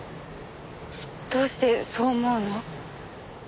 どうしてそう思うの？